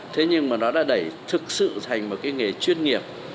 thế nhưng mà nó đã đẩy thực sự thành một cái nghề chuyên nghiệp